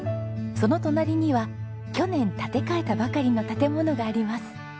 その隣には去年建て替えたばかりの建物があります。